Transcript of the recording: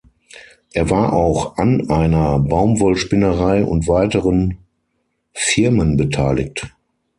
Er war auch an einer Baumwollspinnerei und weiteren Firmen beteiligt.